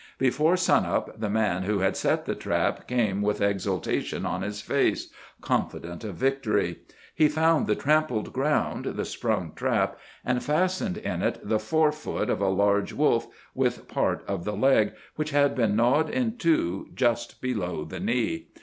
Before sunup, the man who had set the trap came with exultation on his face, confident of victory. He found the trampled ground, the sprung trap, and fastened in it the fore foot of a large wolf with part of the leg, which had been gnawed in two just below the knee.